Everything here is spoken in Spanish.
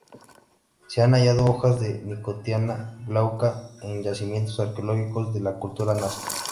Se han hallado hojas de "Nicotiana glauca" en yacimientos arqueológicos de la cultura Nazca.